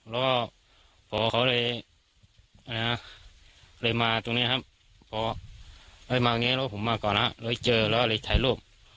แล้วก็พอเขาเลยมาตรงนี้ครับพอมาอย่างนี้แล้วผมมาก่อนนะแล้วเจอแล้วเลยถ่ายรูป